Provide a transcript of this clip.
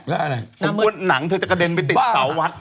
ผมกลัวหนังเธอจะกระเด็นไปติดเสาร์วัด